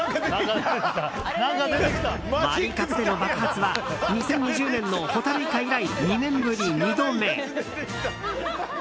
ワリカツでの爆発は２０２０年のホタルイカ以来２年ぶり２度目。